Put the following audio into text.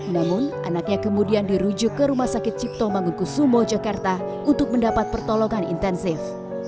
namun anaknya kemudian dirujuk ke rumah sakit cipto mangunkusumo jakarta untuk mendapat pertolongan intensif